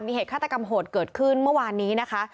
มีเหตุฆาตกรรมโหดเกิดขึ้นเมื่อวานนี้นะคะ